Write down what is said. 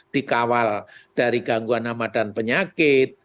dikawal dari gangguan hama dan penyakit